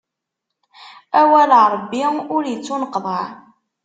Awal n Ṛebbi ur ittuneqḍaɛ.